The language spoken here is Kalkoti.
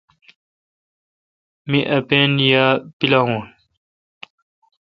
مہ اپین یا پیلاوین۔